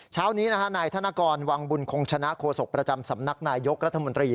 เช้านี้นายธนกรวังบุญคงชนะโฆษกประจำสำนักนายยกรัฐมนตรี